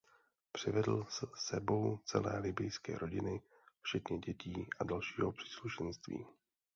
Přivedl s sebou celé libyjské rodiny včetně dětí a dalšího příslušenství.